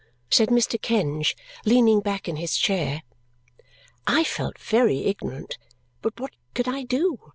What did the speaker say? said Mr. Kenge, leaning back in his chair. I felt very ignorant, but what could I do?